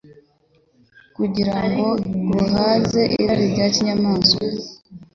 kugira ngo buhaze irari rya kinyamaswa,